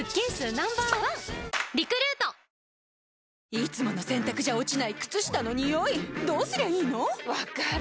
いつもの洗たくじゃ落ちない靴下のニオイどうすりゃいいの⁉分かる。